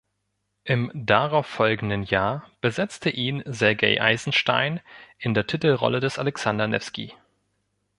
Im darauffolgenden Jahr besetzte ihn Sergei Eisenstein in der Titelrolle des Alexander Newski.